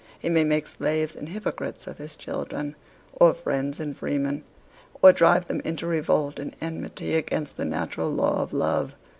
He may make slaves and hypocrites of his children; or friends and freemen; or drive them into revolt and enmity against the natural law of love.